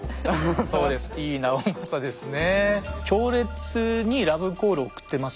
そうです井伊直政ですね。